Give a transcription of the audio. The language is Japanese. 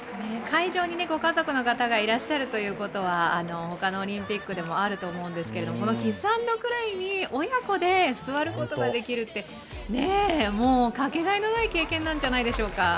会場にご家族の方がいらっしゃるということは、他のオリンピックでもあると思うんですが、このキス・アンド・クライに親子で座ることができるってもうかけがえのない経験なんじゃないでしょうか。